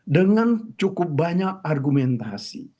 dengan cukup banyak argumentasi